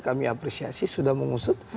kami apresiasi sudah mengusut